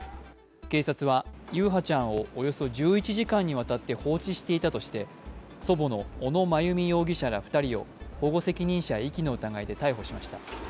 警察は優陽ちゃんをおよそ１１時間にわたって放置していたとして祖母の小野真由美容疑者ら２人を保護責任者遺棄の疑いで逮捕しました。